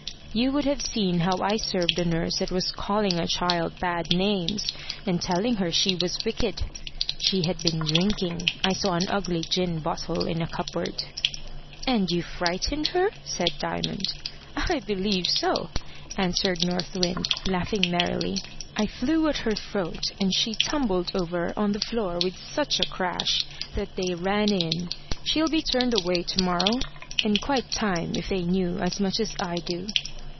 You would have seen how I served a nurse that was calling a child bad names, and telling her she was wicked. She had been drinking. I saw an ugly gin bottle in a cupboard." "And you frightened her?" said Diamond. "I believe so!" answered North Wind laughing merrily. "I flew at her throat, and she tumbled over on the floor with such a crash that they ran in. She'll be turned away to morrow and quite time, if they knew as much as I do."